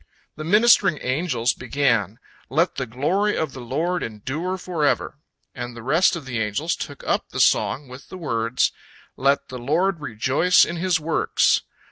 The ministering angels began, "Let the glory of the Lord endure forever!" And the rest of the angels took up the song with the words, "Let the Lord rejoice in His works!"